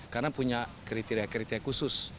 karena punya kriteria kriteria khusus